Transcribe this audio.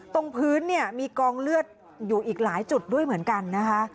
ตรงพื้นเนี่ยมีกองเลือดอยู่อีกหลายจุดด้วยเหมือนกันนะคะ